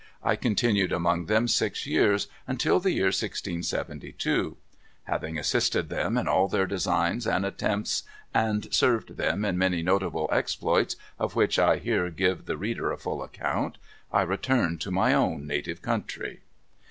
I continued among them six years, until the year 1672. Having assisted them in all their designs and attempts and served them in many notable exploits, of which I here give the reader a full account, I returned to my own native country."